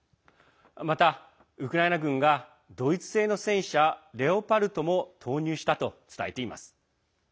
また、ウクライナ軍がドイツ製の戦車、レオパルトも投入したと伝えています。